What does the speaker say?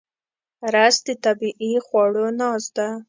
رس د طبیعي خواړو ناز ده